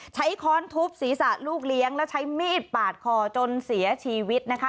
ค้อนทุบศีรษะลูกเลี้ยงแล้วใช้มีดปาดคอจนเสียชีวิตนะคะ